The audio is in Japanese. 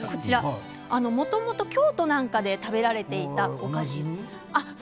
もともと京都なんかで食べられていた。